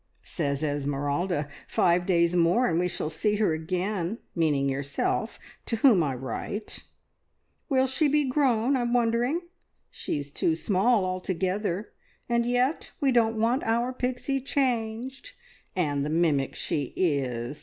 Says Esmeralda, `Five days more, and we shall see her again,' meaning yourself, to whom I write. `Will she be grown, I'm wondering! She's too small altogether, and yet we don't want our Pixie changed. And the mimic she is!